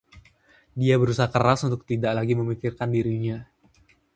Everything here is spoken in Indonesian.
Dia berusaha keras untuk tidak lagi memikirkan dirinya.